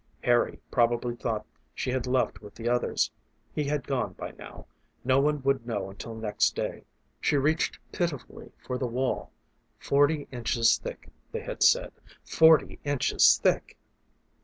Harry probably thought she had left with the others he had gone by now; no one would know until next day. She reached pitifully for the wall. Forty inches thick, they had said forty inches thick!